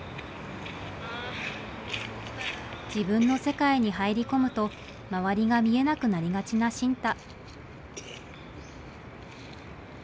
自分の世界に入り込むと周りが見えなくなりがちな新太。